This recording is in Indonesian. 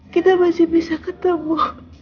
kita masih bisa ketemu